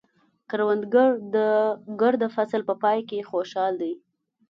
کروندګر د ګرده فصل په پای کې خوشحال دی